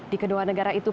di kedua negara itu